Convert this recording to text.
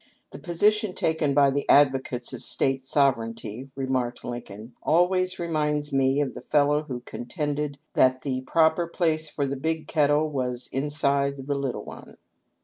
" The position taken by the advocates of State Sovereignty," remarked Lincoln, "always reminds me of the fellow who contended that the proper place for the big kettle was inside of the little one."